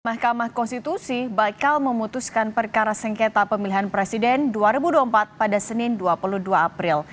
mahkamah konstitusi bakal memutuskan perkara sengketa pemilihan presiden dua ribu dua puluh empat pada senin dua puluh dua april